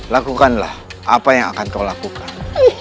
lakukanlah apa yang akan kau lakukan